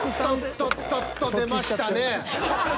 とっとっと出ましたね。